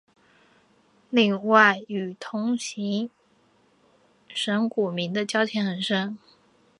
另外与同行神谷明的交情很深。